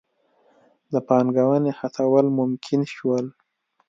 د پانګونې هڅول ممکن شول.